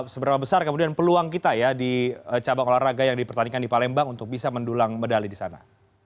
seberapa besar kemudian peluang kita ya di cabang olahraga yang dipertandingkan di palembang untuk bisa mendulang medali di sana